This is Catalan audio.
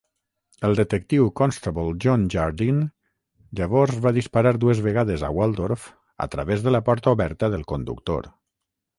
El detectiu Constable John Jardine llavors va disparar dues vegades a Waldorf a través de la porta oberta del conductor.